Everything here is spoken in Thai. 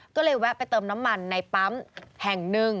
ก็เลยแวะไปเติมน้ำมันในปั๊มแห่งหนึ่ง